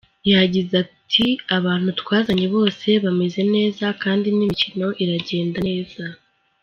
Yagize ati “Abantu twazanye bose bameze neza kandi n’imikino iragenda neza.